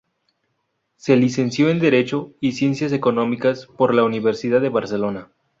Se licenció en Derecho y Ciencias Económicas por la Universidad de Barcelona.